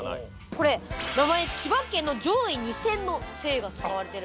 これ名前千葉県の上位２０００の姓が使われてる。